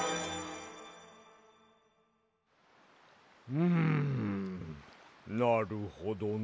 うんなるほどな。